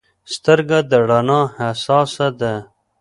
سترګه د رڼا حساسه ده.